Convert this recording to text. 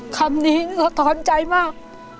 คำนี้สะท้อนใจมาก